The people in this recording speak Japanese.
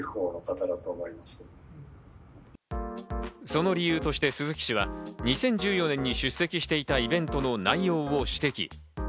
その理由として鈴木氏は、２０１４年に出席していたイベントの内容を指摘。